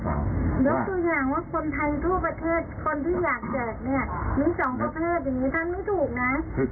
หนึ่งสองประเทศอย่างนี้ทำก็ถูกนะ